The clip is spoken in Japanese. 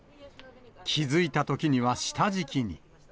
気付いたときには下敷きに。